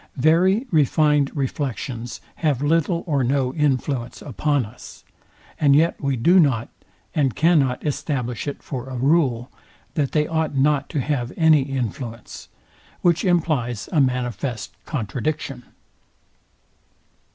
Very refined reflections have little or no influence upon us; and yet we do not, and cannot establish it for a rule, that they ought not to have any influence; which implies a manifest contradiction.